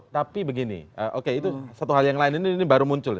tapi begini oke itu satu hal yang lain ini baru muncul